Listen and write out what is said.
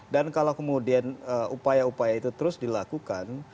dan kalau kemudian upaya upaya itu terus dilakukan